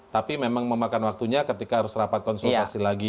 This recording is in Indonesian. tapi memang memakan waktunya ketika harus rapat konsultasi lagi